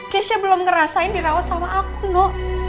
keisha belum ngerasain dirawat sama aku nu